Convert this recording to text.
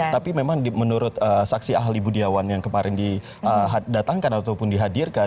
tapi memang menurut saksi ahli budiawan yang kemarin didatangkan ataupun dihadirkan